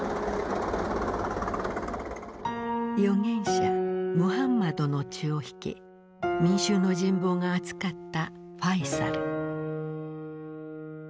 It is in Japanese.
預言者ムハンマドの血を引き民衆の人望があつかったファイサル。